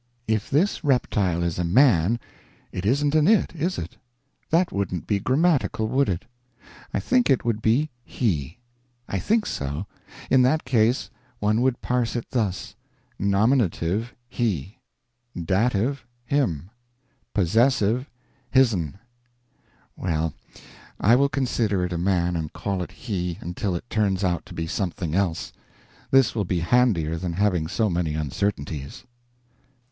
If this reptile is a man, it isn't an_ it_, is it? That wouldn't be grammatical, would it? I think it would be he. I think so. In that case one would parse it thus: nominative, he; dative, him; possessive, his'n. Well, I will consider it a man and call it he until it turns out to be something else. This will be handier than having so many uncertainties.